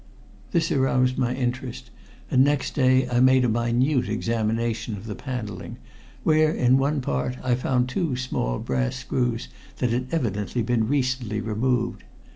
This aroused my interest, and next day I made a minute examination of the paneling, where, in one part, I found two small brass screws that had evidently been recently removed.